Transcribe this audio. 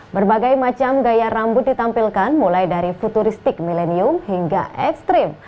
berbagai macam gaya rambut ditampilkan mulai dari futuristik milenium hingga ekstrim